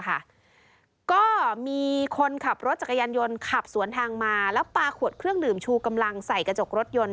ก็มีคนขับรถจักรยานยนต์ขับสวนทางมาแล้วปลาขวดเครื่องดื่มชูกำลังใส่กระจกรถยนต์